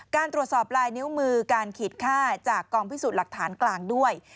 การตรวจสอบลายนิ้วมือการขีดค่าจากกองพิสูจน์หลักฐานกลางด้วย